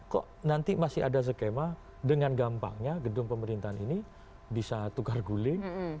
kok nanti masih ada skema dengan gampangnya gedung pemerintahan ini bisa tukar guling